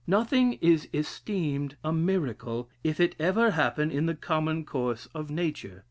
Nothing is esteemed a miracle, if it ever happen in the common course of nature.